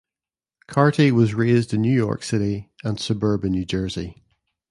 Carty was raised in New York City and suburban New Jersey.